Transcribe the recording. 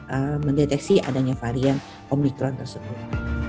kita mendeteksi adanya varian omicron tersebut